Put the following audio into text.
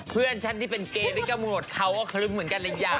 เพื่อนฉันที่เป็นเกย์ที่กำหนดเขาก็คลึกเหมือนกันอีกอย่าง